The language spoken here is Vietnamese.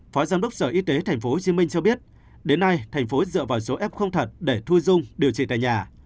phó giám đốc sở y tế tp hcm cho biết đến nay tp hcm dựa vào số f thật để thu dung điều trị tại nhà